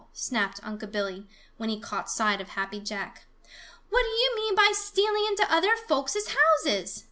snapped Unc' Billy, when he caught sight of Happy Jack. "What do you mean by stealing into other folk's houses?"